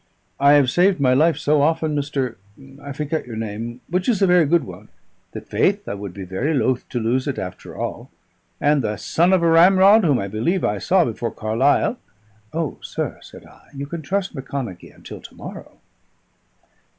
I have saved my life so often, Mr. , I forget your name, which is a very good one that, faith, I would be very loth to lose it after all. And the son of a ramrod, whom I believe I saw before Carlisle...." "O, sir," said I, "you can trust Macconochie until to morrow."